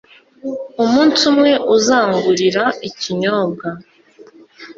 Umunsi umwe uzangurira ikinyobwa.